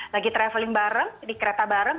lagi traveling bareng ini kereta bareng